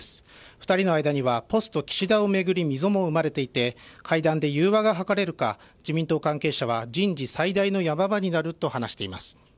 ２人の間には、ポスト岸田を巡り溝も生まれていて、会談で融和が図れるか、自民党関係者は人事最大のヤマ場になると話しています。